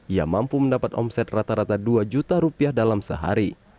ia mampu mendapat omset rata rata dua juta rupiah dalam sehari